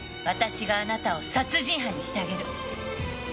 私があなたを殺人犯にしてあげる。